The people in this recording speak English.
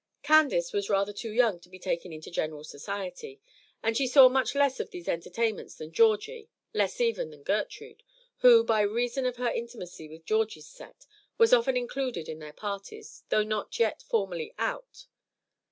Candace was rather too young to be taken into general society, and she saw much less of these entertainments than Georgie; less even than Gertrude, who, by reason of her intimacy with Georgie's set, was often included in their parties, though not yet formally "out."